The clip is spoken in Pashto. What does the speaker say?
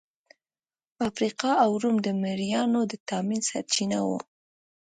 افریقا او روم د مریانو د تامین سرچینه وه.